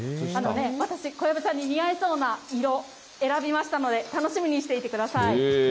私、小籔さんに似合いそうな色、選びましたので、楽しみにしていてください。